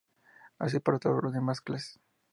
Así para todas las demás clases.